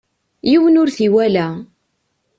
Yiwen ur t-iwala.